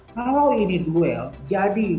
kalau ini duel jadi